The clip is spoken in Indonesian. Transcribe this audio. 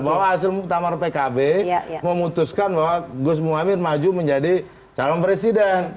bahwa asal utama pkb memutuskan bahwa gus muhammad maju menjadi calon presiden